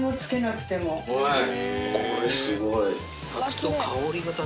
これすごい。